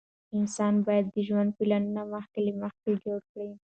انسان باید د ژوند پلانونه مخکې له مخکې جوړ کړي.